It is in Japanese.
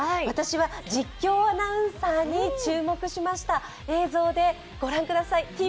私は実況アナウンサーに注目しました映像で御覧ください。